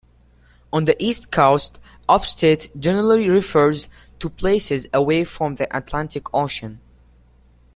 On the east coast, upstate generally refers to places away from the Atlantic Ocean.